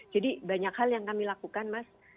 jadi banyak hal yang kami lakukan mas